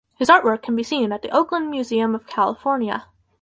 His artwork can be seen at the Oakland Museum of California.